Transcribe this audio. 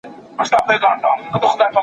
زه پرون کالي وچول؟!